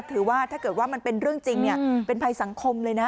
ถือว่าถ้าเกิดว่ามันเป็นเรื่องจริงเป็นภัยสังคมเลยนะ